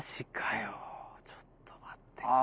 ちょっと待ってくれ。